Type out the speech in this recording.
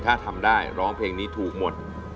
ถ้าทำได้ร้องเพลงนี้ถูกหมด